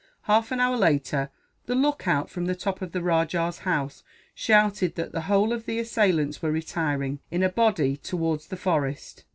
Half an hour later, the lookout from the top of the rajah's house shouted that the whole of the assailants were retiring, in a body, towards the forest.